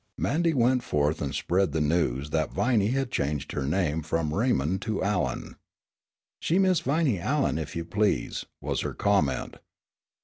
Mandy went forth and spread the news that Viney had changed her name from Raymond to Allen. "She's Mis' Viney Allen, if you please!" was her comment.